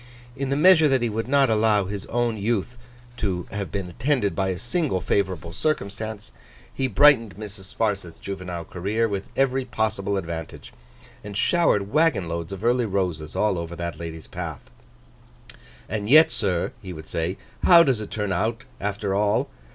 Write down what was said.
In the measure that he would not allow his own youth to have been attended by a single favourable circumstance, he brightened Mrs. Sparsit's juvenile career with every possible advantage, and showered waggon loads of early roses all over that lady's path. 'And yet, sir,' he would say, 'how does it turn out after all?